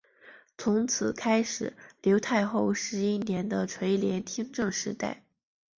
从此开始刘太后十一年的垂帘听政时代。